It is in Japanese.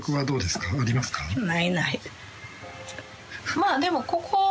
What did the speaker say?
まあでもここ。